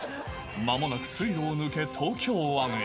まもなく水路を抜け、東京湾へ。